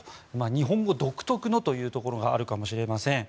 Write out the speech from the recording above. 日本語独特というところがあるかもしれません。